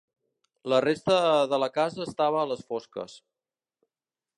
La resta de la casa estava a les fosques.